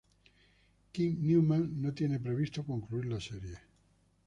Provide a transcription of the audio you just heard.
Kim Newman no tiene previsto concluir la serie.